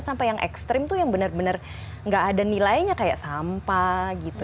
sampai yang ekstrim tuh yang benar benar gak ada nilainya kayak sampah gitu